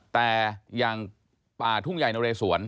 แต่อย่างป่าทุ่งใหญ่นเรสวน